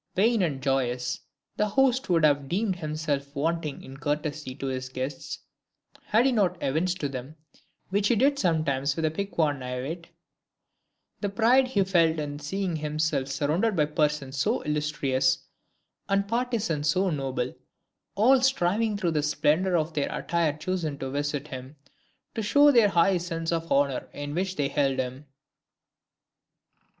Vain and joyous, the host would have deemed himself wanting in courtesy to his guests, had he not evinced to them, which he did sometimes with a piquant naivete, the pride he felt in seeing himself surrounded by persons so illustrious, and partisans so noble, all striving through the splendor of the attire chosen to visit him, to show their high sense of the honor in which they held him.